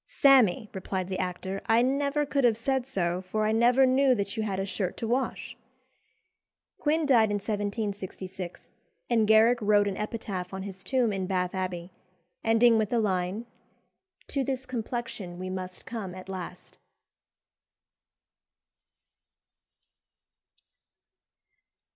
"Sammy," replied the actor, "I never could have said so, for I never knew that you had a shirt to wash." Quin died in 1766, and Garrick wrote an epitaph on his tomb in Bath Abbey, ending with the line "To this complexion we must come at last."